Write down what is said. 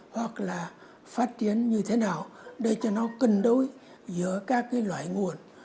hoặc là phát triển như thế nào để cho nó cân đối giữa các cái loại nguồn